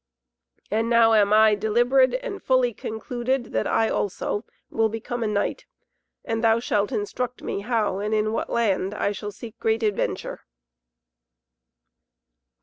And now am I delibred and fully concluded that I also will become a knight, and thou shalt instruct me how and in what land I shall seek great adventure."